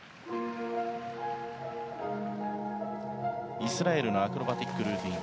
イスラエルのアクロバティックルーティン。